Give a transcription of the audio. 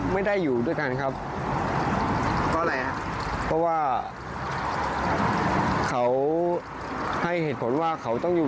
ไม่ได้อยู่ด้วยกันครับเพราะว่าเขาให้เหตุผลว่าเขาต้องอยู่